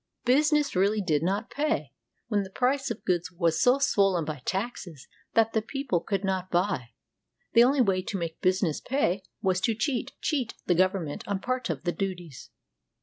Business really did not pay, when the price of goods was so swollen by taxes that the people could not buy. The only way to make business pay was to cheat — cheat the government of part of the duties.